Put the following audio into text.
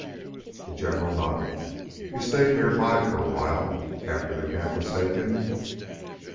The General nodded. "You stayed near by for a while after the camp was taken?"